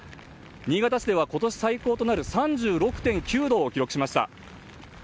新潟市では今年最高となる３６．９度を観測しました。